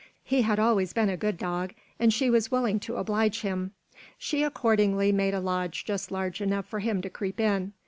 He had always been a good dog, and she was willing to oblige him. She accordingly made a lodge just large enough for him to creep in.